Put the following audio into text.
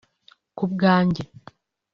ku bwanjye